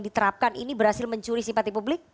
diterapkan ini berhasil mencuri simpati publik